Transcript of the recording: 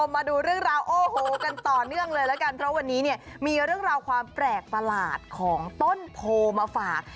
มาดูเรื่องราวโอ้โหกันต่อเนื่องเลยละกันเพราะวันนี้เนี่ยมีเรื่องราวความแปลกประหลาดของต้นโพมาฝาก